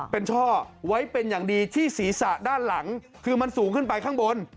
เป็นช่อไว้เป็นอย่างดีที่ศีรษะด้านหลังคือมันสูงขึ้นไปข้างบน